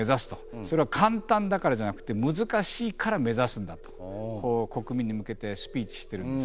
「それは簡単だからじゃなくて難しいから目指すんだ」と国民に向けてスピーチしてるんですけど。